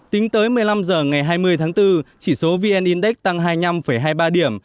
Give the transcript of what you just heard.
tính tới một mươi năm h ngày hai mươi tháng bốn chỉ số vn index tăng hai mươi năm hai mươi ba điểm